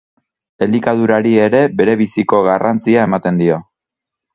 Elikadurari ere berebiziko garrantzia ematen dio.